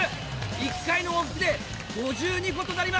１回の往復で５２個となります。